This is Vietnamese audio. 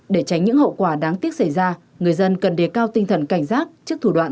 để tránh những hậu quả đáng tiếc xảy ra người dân cần đề cao tinh thần cảnh giác trước thủ đoạn